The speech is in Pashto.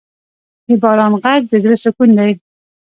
د باران ږغ د زړه سکون دی.